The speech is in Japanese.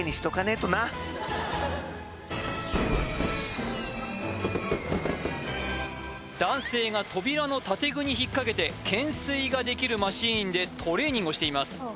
えとな男性が扉の建具に引っかけて懸垂ができるマシンでトレーニングをしています